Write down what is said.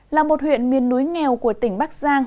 là một huyện miền núi nghèo của tỉnh bắc giang